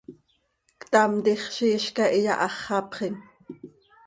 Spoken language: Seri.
Ctam, tiix ziix hizcah iyaháxapxim.